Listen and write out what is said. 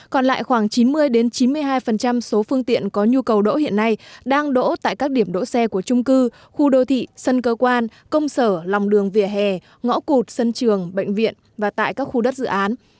còn lại khoảng chín mươi chín mươi hai số phương tiện có nhu cầu đỗ hiện nay đang đỗ tại các điểm đỗ xe của trung cư khu đô thị sân cơ quan công sở lòng đường vỉa hè ngõ cụt sân trường bệnh viện và tại các khu đất dự án